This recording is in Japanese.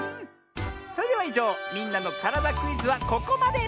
それではいじょう「みんなのからだクイズ」はここまで！